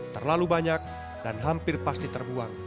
terlalu banyak dan hampir pasti terbuang